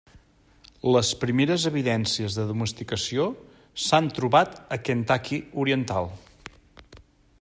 Les primeres evidències de domesticació s'han trobat a Kentucky oriental.